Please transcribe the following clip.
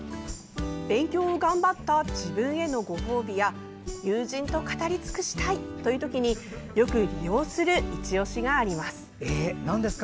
勉強を頑張った自分へのご褒美や友人と語り尽くしたいという時によく利用するいちオシがあります。